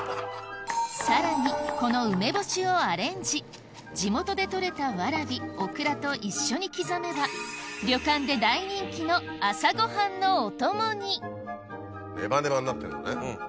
さらにこの梅干しをアレンジ地元で採れたワラビオクラと一緒に刻めば旅館で大人気の朝ご飯のお供にねばねばになってるんだね。